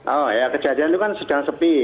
oh ya kejadian itu kan sedang sepi